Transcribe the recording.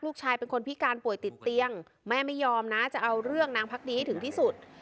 ลูกชายเป็นคนพิการป่วยติดเตียงแม่ไม่ยอมนะจะเอาเรื่องนางพักดีให้ถึงที่สุด